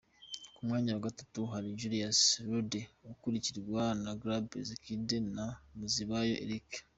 Ku mwanya wa gatatu hari Julius Jayde, ukurikirwa na Lagab Azzedine na Manizabayo Eric.